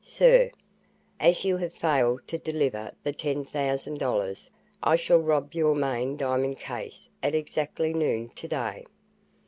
"SIR: "As you have failed to deliver the $10,000, I shall rob your main diamond case at exactly noon today."